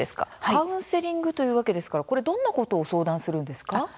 カウンセリングというわけですから、これどんなことを相談するんですか？